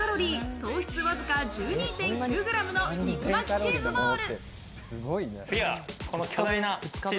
糖質わずか１２．９ｇの肉巻きチーズボール。